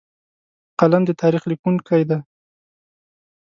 قلم د تاریخ لیکونکی دی